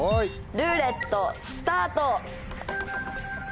ルーレットスタート。